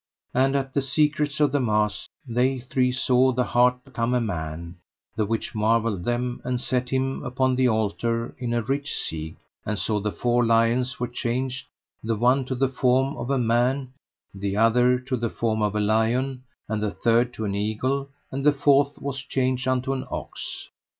And at the secrets of the mass they three saw the hart become a man, the which marvelled them, and set him upon the altar in a rich siege; and saw the four lions were changed, the one to the form of a man, the other to the form of a lion, and the third to an eagle, and the fourth was changed unto an ox.